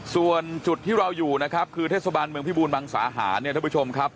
ส่วนจุดที่เราอยู่นะครับคือเทศบาลเมืองพิบูรมังสาหารเนี่ยท่านผู้ชมครับ